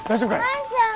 万ちゃん。